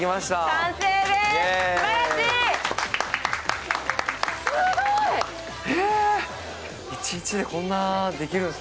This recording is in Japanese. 完成です！